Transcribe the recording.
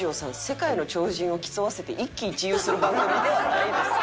世界の超人を競わせて一喜一憂する番組ではないです。